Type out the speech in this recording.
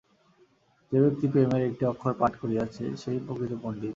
যে ব্যক্তি প্রেমের একটি অক্ষর পাঠ করিয়াছে, সে-ই প্রকৃত পণ্ডিত।